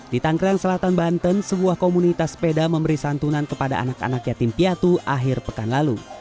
di tanggerang selatan banten sebuah komunitas sepeda memberi santunan kepada anak anak yatim piatu akhir pekan lalu